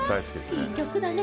いい曲だね。